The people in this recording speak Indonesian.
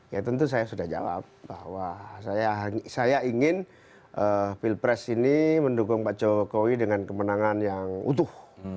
ya tentu saya sudah jawab bahwa saya ingin pilpres ini mendukung pak jokowi dengan kemenangan yang utuh